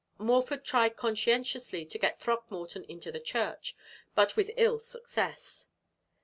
Morford tried conscientiously to get Throckmorton into the church, but with ill success.